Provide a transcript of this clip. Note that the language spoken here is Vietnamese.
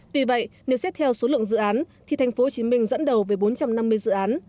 tuy vậy nếu xét theo số lượng dự án thì thành phố hồ chí minh dẫn đầu với bốn trăm năm mươi dự án